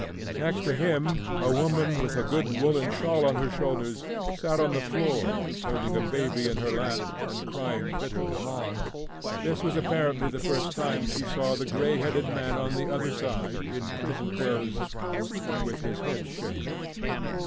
Next to him a woman, with a good woollen shawl on her shoulders, sat on the floor holding a baby in her lap and crying bitterly. This was apparently the first time she saw the greyheaded man on the other side in prison clothes, and with his head shaved.